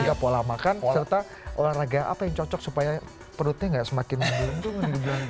juga pola makan serta olahraga apa yang cocok supaya perutnya nggak semakin